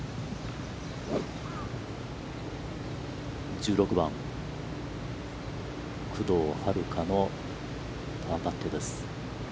１６番、工藤遥加のパーパットです。